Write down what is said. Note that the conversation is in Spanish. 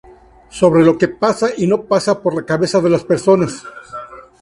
Sobre lo que pasa y no pasa por la cabeza de las personas.